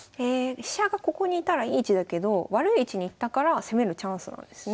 飛車がここにいたらいい位置だけど悪い位置に行ったから攻めるチャンスなんですね。